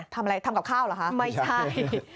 ทำอะไรทำกับข้าวเหรอคะไม่ใช่